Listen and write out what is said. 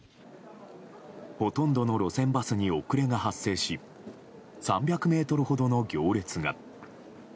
ほとんどの路線バスに遅れが発生し３００ｍほどの行列が。